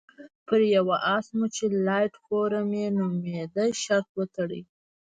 پر یوه اس مو چې لایټ فور مي نومېده شرط وتاړه.